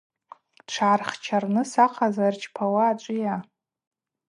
Тшгӏархчарныс ахъазла йырчпауа ачӏвыйа?